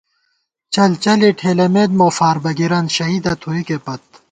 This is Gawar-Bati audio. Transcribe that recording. چل چَلے ٹھېلَمېت مو فاربَگِرَن، شہیدہ تھوئیکے پت